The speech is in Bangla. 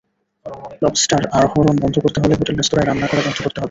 লবস্টার আহরণ বন্ধ করতে হলে হোটেল–রেস্তোরাঁয় রান্না করা বন্ধ করতে হবে।